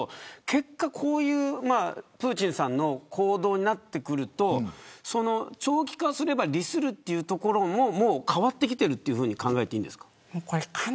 結果プーチンさんのこういう行動になってくると長期化すれば利するというところももう変わってきていると考えていいんですか。